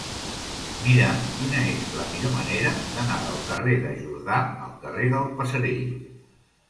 Mira'm quina és la millor manera d'anar del carrer de Jordà al carrer del Passerell.